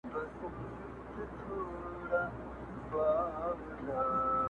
د ښادۍ به راته مخ سي د غمونو به مو شا سي؛